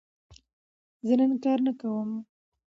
زه نن کار نه کوم.